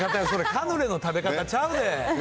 カヌレの食べ方ちゃうで。